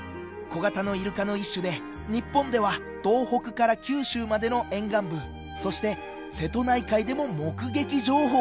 小型のイルカの一種で日本では東北から九州までの沿岸部そして瀬戸内海でも目撃情報が！